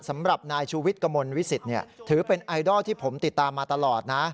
สำหรับนายชูวิทย์กระมวลวิสิตถือเป็นไอดอลที่ผมติดตามมาตลอดนะ